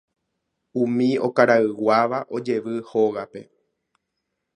Umi okarayguáva ojevy hógape